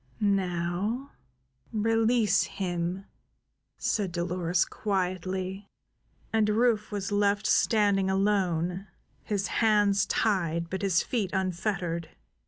"Now release him!" said Dolores quietly, and Rufe was left standing alone, his hands tied, but his feet unfettered.